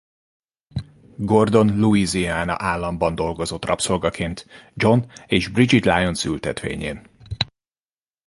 Gordon Louisiana államban dolgozott rabszolgaként John és Bridget Lyons ültetvényén.